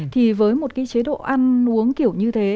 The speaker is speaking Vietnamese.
thì với một cái chế độ ăn uống kiểu như thế